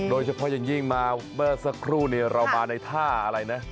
โดยเฉพาะอย่างยิ่งมาเมื่อสักครู่เรามาในท่าอะไรนะ